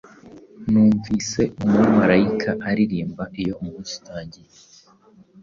Numvise Umumarayika aririmba Iyo umunsi utangiye,